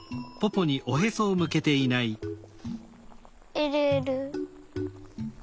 えるえる。